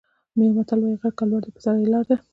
یو متل وايي: غر که لوړ دی په سر یې لاره ده.